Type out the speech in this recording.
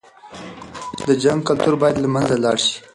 د جنګ کلتور بايد له منځه لاړ شي.